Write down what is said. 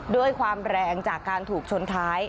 ด้วยความแรงจากการถูกชนท้าย